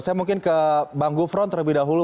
saya mungkin ke bang gufron terlebih dahulu